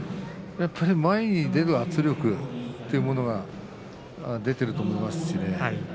やっぱり前に出る圧力というものが出ていると思います。